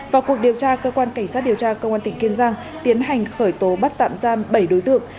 vào cuộc điều tra cơ quan cảnh sát điều tra công an tỉnh kiên giang tiến hành khởi tố bắt tạm giam bảy đối tượng